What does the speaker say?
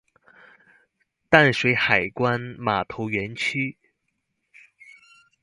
淡水海關碼頭園區